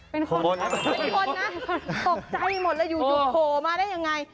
เป็นคนนะตกใจหมดแล้วอยู่โทรมาได้ยังไง